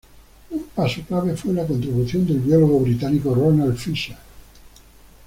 Un paso clave fue la contribución del biólogo británico Ronald Fisher.